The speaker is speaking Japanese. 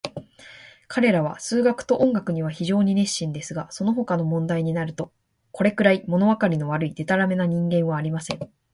彼等は数学と音楽には非常に熱心ですが、そのほかの問題になると、これくらい、ものわかりの悪い、でたらめな人間はありません。